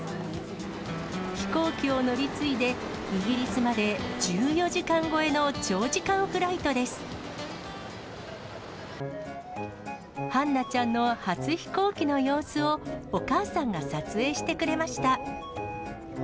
飛行機を乗り継いで、イギリスまで１４時間超えの長時間フライトです。はんなちゃんの初飛行機の様子を、お母さんが撮影してくれました。